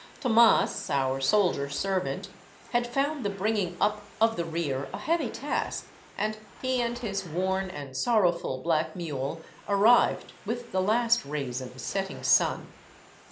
Tomas, our soldier servant, had found the bringing up of the rear a heavy task, and he and his worn and sorrow ful black mule arrived with the last rays of the setting sun.